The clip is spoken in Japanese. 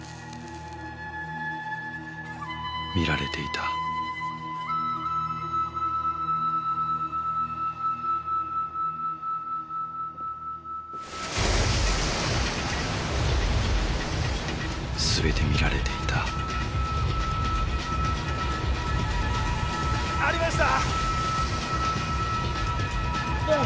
見られていた全て見られていたありました！